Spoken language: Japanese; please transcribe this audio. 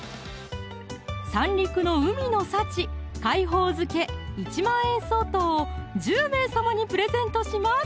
三陸の海の幸「海宝漬」１万円相当を１０名様にプレゼントします